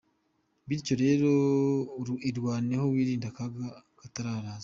Bityo rero irwaneho wirinde akaga kataraza.